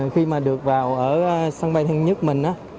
khi mà được vào ở sân bay tân sơn nhất mình á